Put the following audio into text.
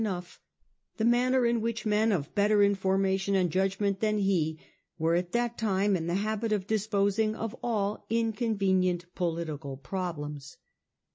enough the manner in which men of better information and judg ment than he were at that time in the habit of dis posing of all inconvenient political problems.